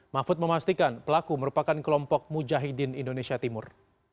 mahfud memastikan pelaku merupakan kelompok mujahidin indonesia timur